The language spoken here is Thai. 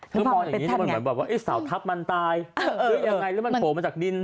มันเหมือนแบบว่าไอ้เสาทัพมันตายหรือยังไงหรือมันโผล่มาจากดิ้น